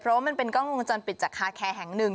เพราะว่ามันเป็นกล้องวงจรปิดจากคาแคร์แห่งหนึ่ง